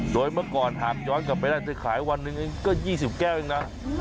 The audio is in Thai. โดยเมื่อก่อนหากย้อนกลับไปได้เธอขายวันหนึ่งเองก็๒๐แก้วเองนะ